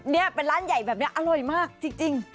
นี่เป็นร้านใหญ่แบบนี้อร่อยมากจริง